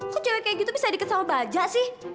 kok cewek kayak gitu bisa deket sama baja sih